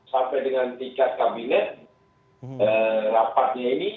sampai dengan tingkat kabinet rapatnya ini